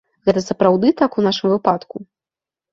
Гэта сапраўды так у нашым выпадку?